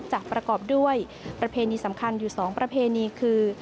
ประกอบด้วยประเพณีสำคัญอยู่๒ประเพณีคือ